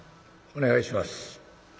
お願いします」。